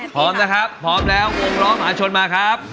พร้อมนะครับฮั่งเพราะอ่าชนมาครับ